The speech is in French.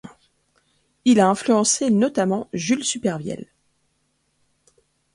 Il a influencé notamment Jules Supervielle.